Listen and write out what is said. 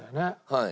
はい。